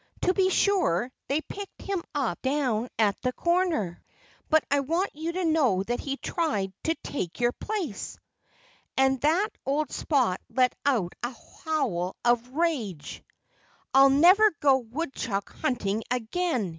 To be sure, they picked him up down at the corner. But I want you to know that he tried to take your place." At that old Spot let out a howl of rage. "I'll never go woodchuck hunting again!"